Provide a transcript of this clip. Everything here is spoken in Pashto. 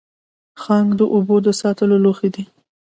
ښانک د اوبو د ساتلو لوښی دی